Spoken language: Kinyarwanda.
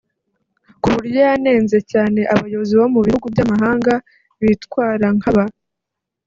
ku buryo yanenze cyane abayobozi bo mu bihugu by’amahanga bitwara nka ba